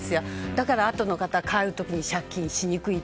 だから、あとの方は買うときに借金しにくい。